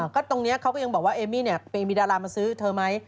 ก็ตรงนี้เขาก็ยังบอกว่าเอมมี่เนี่ยมีดารามาซื้อเธอไหม